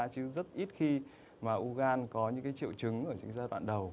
chứ rất ít khi mà u gan có những triệu chứng ở giai đoạn đầu